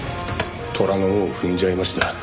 「虎の尾を踏んじゃいました」